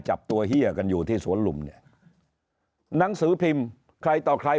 จับตัวเฮียกันอยู่ที่สวนลุมเนี่ยหนังสือพิมพ์ใครต่อใคร